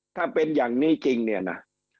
ถ้าเป็นอย่างนี้จริงเนี่ยนะ